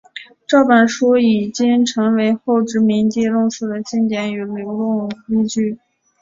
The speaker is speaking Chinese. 这本书已经成为后殖民论述的经典与理论依据。